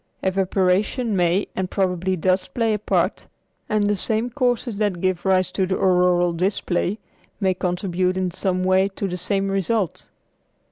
Evaporation may and probably does play a part, and the same causes that give rise to the auroral display may contribute in some way to the same result.